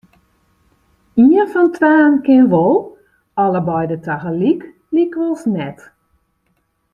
Ien fan twaen kin wol, allebeide tagelyk lykwols net.